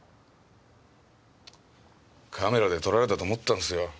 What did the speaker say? カメラで撮られたと思ったんすよ。